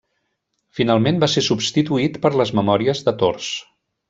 Finalment va ser substituït per les memòries de tors.